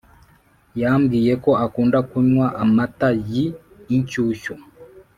yambwiye ko akunda kunywa amata yi inshyushyu